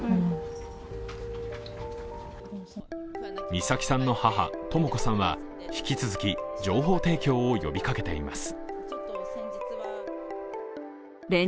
美咲さんの母・とも子さんは引き続き、情報提供を呼びかけています